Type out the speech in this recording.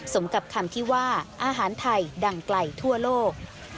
สมกับคำที่ว่าอาหารไทยดังไกลทั่วโลก